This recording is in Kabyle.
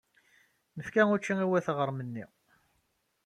Nefka učči i wayt yiɣrem-nni.